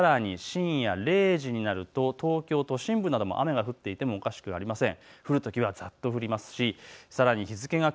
さらに深夜０時になると東京都心部なども雨が降っていてもおかしくありません。